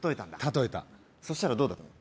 例えたそしたらどうだったの？